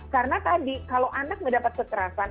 karena tadi kalau anak mendapat kekerasan